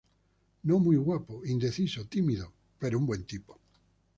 No muy guapo, indeciso, tímido, pero un buen tipo.